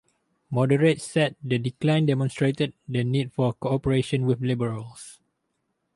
Moderates said the decline demonstrated the need for cooperation with Liberals.